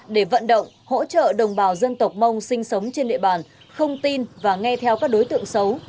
để vận động hỗ trợ đồng bào dân tộc mong sinh sống trên địa bàn không tin và nghe theo các đối tượng xấu